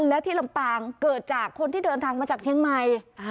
และที่ลำปางเกิดจากคนที่เดินทางมาจากเชียงใหม่